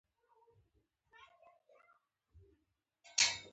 د کورونو بیمه شته؟